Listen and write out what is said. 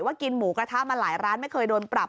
กินหมูกระทะมาหลายร้านไม่เคยโดนปรับ